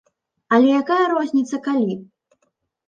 Але якая розніца калі?